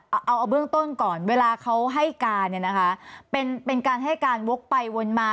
เอาเอาเบื้องต้นก่อนเวลาเขาให้การเนี่ยนะคะเป็นเป็นการให้การวกไปวนมา